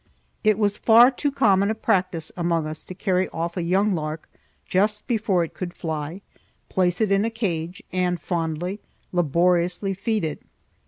It was far too common a practice among us to carry off a young lark just before it could fly, place it in a cage, and fondly, laboriously feed it.